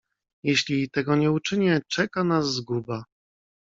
"Jeśli tego nie uczynię, czeka nas zguba!"